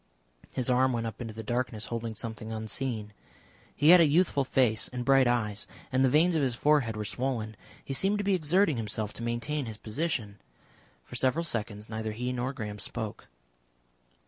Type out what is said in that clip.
His arm went up into the darkness holding something unseen. He had a youthful face and bright eyes, and the veins of his forehead were swollen. He seemed to be exerting himself to maintain his position. For several seconds neither he nor Graham spoke.